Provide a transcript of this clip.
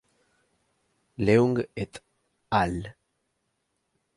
Leung et al.